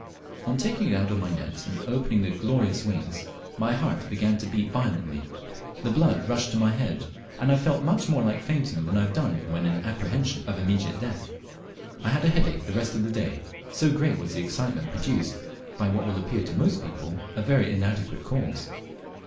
On taking it out of my net and opening the glorious wings, my heart began to beat violently, the blood rushed to my head, and I felt much more like fainting than I have done when in apprehension of immediate death. I had a headache the rest of the day, so great was the excitement produced by what will appear to most people a very inadequate cause.